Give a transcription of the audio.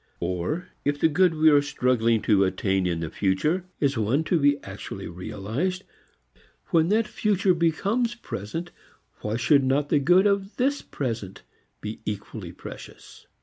Or, if the good we are struggling to attain in the future is one to be actually realized when that future becomes present, why should not the good of this present be equally precious?